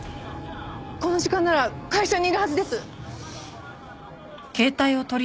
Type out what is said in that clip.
この時間なら会社にいるはずです！